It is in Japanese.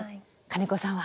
金子さんは？